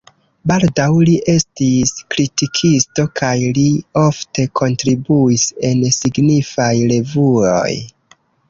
Baldaŭ li estis kritikisto kaj li ofte kontribuis en signifaj revuoj.